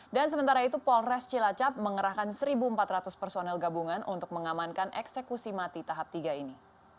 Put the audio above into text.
dan sementara itu polres cilacap mengerahkan satu empat ratus personel gabungan untuk mengamankan eksekusi mati tahap tiga ini